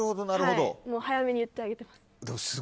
早めに言ってあげてます。